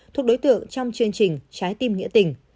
thuộc đối tượng trong chương trình trái tim nghĩa tình